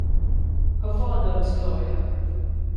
Her father was a lawyer.